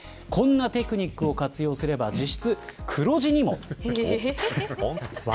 こんなテクニックを活用すれば実質、黒字にも。